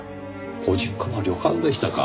ご実家が旅館でしたか。